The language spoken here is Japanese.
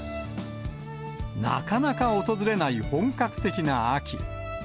なかなか訪れない本格的な秋。